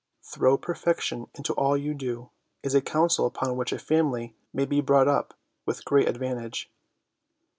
' Throw perfection into all you do ' is a counsel upon which a family may be brought up with great advantage.